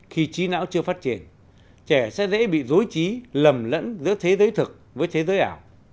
khi trí não chưa phát triển trẻ sẽ dễ bị dối trí lầm lẫn giữa thế giới thực với thế giới ảo